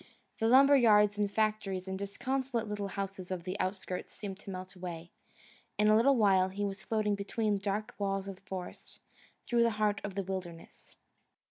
The lumber yards and factories and disconsolate little houses of the outskirts seemed to melt away. In a little while he was floating between dark walls of forest, through the heart of the wilderness.